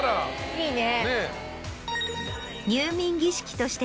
いいね。